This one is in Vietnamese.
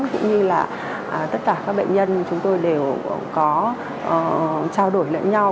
cũng như là tất cả các bệnh nhân chúng tôi đều có trao đổi lẫn nhau